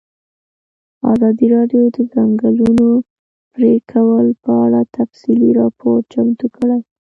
ازادي راډیو د د ځنګلونو پرېکول په اړه تفصیلي راپور چمتو کړی.